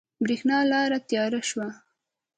برېښنا لاړه تیاره شوه